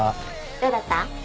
どうだった？